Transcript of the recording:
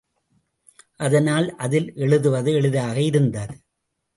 அதனால் அதில் எழுவது எளிதாக இருந்தது.